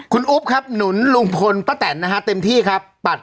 คุณอุ๊บครับหนุนลุงพลป้าแตนนะฮะเต็มที่ครับ